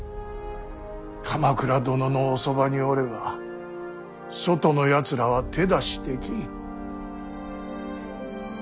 鎌倉殿のおそばにおれば外のやつらは手出しできん。